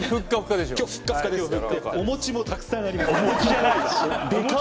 でかお餅もたくさんあります。